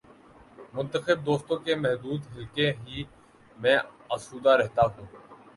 منتخب دوستوں کے محدود حلقے ہی میں آسودہ رہتا ہوں۔